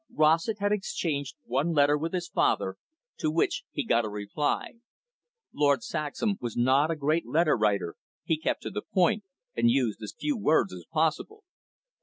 Rossett had exchanged one letter with his father, to which he got a reply. Lord Saxham was not a great letter writer, he kept to the point, and used as few words as possible.